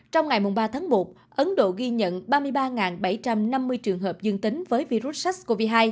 trong ngày ba tháng một ấn độ ghi nhận ba mươi ba bảy trăm năm mươi trường hợp dương tính với virus sars cov hai